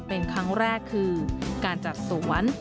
เป็นครั้งแรกคือการจัดสวน